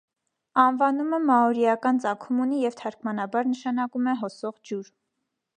Անվանումը մաորիական ծագում ունի և թարգմանաբար նշանակում է «հոսող ջուր»։